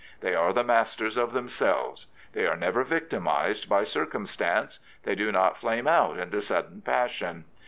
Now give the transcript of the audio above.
They are the masters of them selves. They are never victimised by circumstance. They do not flame out into sudden passion.